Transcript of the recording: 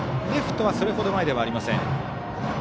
レフトはそれほど前ではありません。